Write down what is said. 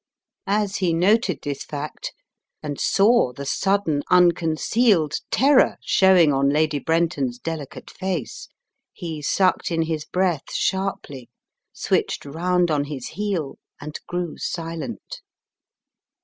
As he noted this fact, and saw the sudden unconcealed terror showing on Lady Bren ton's delicate face, he sucked in his breath sharply, switched round on his heel, and grew silent.